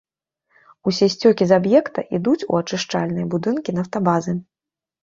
Усе сцёкі з аб'екта ідуць у ачышчальныя будынкі нафтабазы.